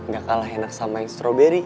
gak kalah enak sama yang stroberi